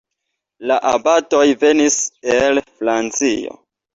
La abatoj venis el Francio.